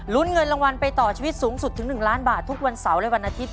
เงินรางวัลไปต่อชีวิตสูงสุดถึง๑ล้านบาททุกวันเสาร์และวันอาทิตย